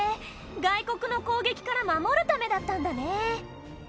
外国の攻撃から守るためだったんだね